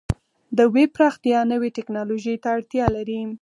د ویب پراختیا نوې ټکنالوژۍ ته اړتیا لري.